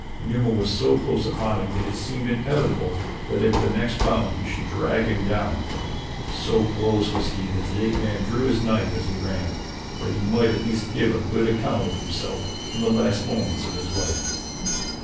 Numa was so close upon him that it seemed inevitable that at the next bound he should drag him down; so close was he that the ape man drew his knife as he ran, that he might at least give a good account of himself in the last moments of his life.